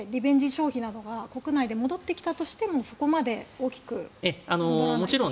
消費などが国内で戻ってきたとしてもそこまで大きく戻らない？